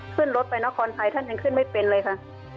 ขึ้นรถไปนครไทยท่านยังขึ้นไม่เป็นเลยค่ะ